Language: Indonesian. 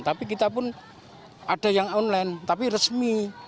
tapi kita pun ada yang online tapi resmi